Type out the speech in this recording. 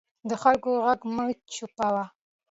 د خلکو غږ مه چوپوئ